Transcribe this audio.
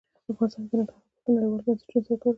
افغانستان د ننګرهار په برخه کې نړیوالو بنسټونو سره کار کوي.